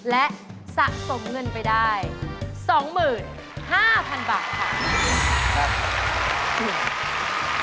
และสะสมเงินไปได้๒๕๐๐๐บาทค่ะ